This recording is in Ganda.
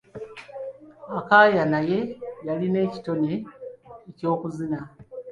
Akaya naye yalina ekitone eky'okuzina.